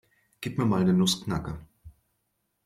Gib mir mal den Nussknacker.